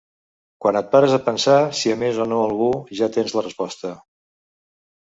Quan et pares a pensar si ames o no algú, ja tens la resposta...